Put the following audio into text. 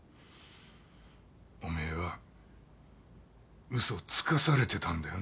おめえは嘘つかされてたんだよな